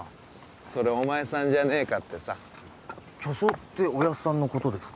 それお前さんじゃねえかってさ巨匠っておやっさんのことですか？